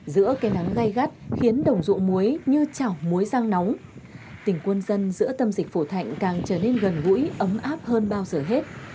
giữa cây nắng gai gắt khiến đồng ruộng muối như chảo muối răng nóng tỉnh quân dân giữa tâm dịch phổ thạnh càng trở nên gần gũi ấm áp hơn bao giờ hết